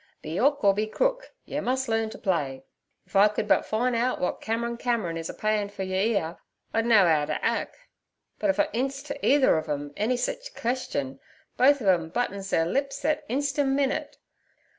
'Be 'ook or be crook, yer mus' learn t' play. If I could but fine out w'at Cameron Cameron is a payin' fer yer 'ere I'd know 'ow 't ack; but if I 'ints t' either ov 'em any sich question, both ov 'em buttons their lips thet insten' minute.